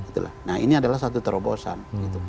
nah ini adalah satu terobosan